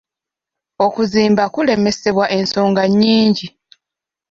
Okuzimba kulemesebwa ensonga nnyingi.